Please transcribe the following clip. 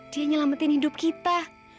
dia nyelamatin hidup kita